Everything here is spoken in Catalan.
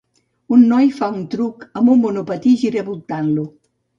Un noi fa un truc amb un monopatí giravoltant-lo.